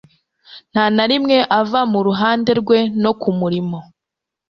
ntanarimwe ava muruhande rwe no kumurimo,